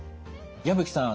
矢吹さん